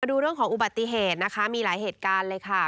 ดูเรื่องของอุบัติเหตุนะคะมีหลายเหตุการณ์เลยค่ะ